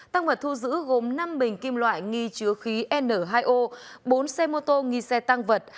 tăng vật thu giữ gồm năm bình kim loại nghi chứa khí n hai o bốn xe mô tô nghi xe tăng vật